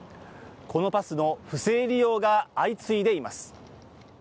このパスの不正利用が相次いでいます。